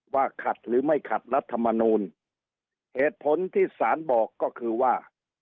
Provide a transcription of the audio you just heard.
ว่าขัดหรือไม่ขัดรัฐมนูลเหตุผลที่สารบอกก็คือว่า